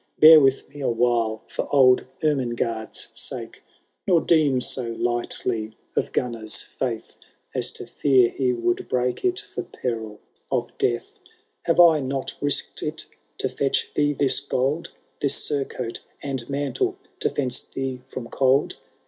Bear with me a while for old Ermengarde's sake ; Nor deem so lightly of Gunnar^s faith. As to fear he would break it for peril of death. Have I not risked it to fetch thee this gold. This surcoat and mantle to fence thee from cold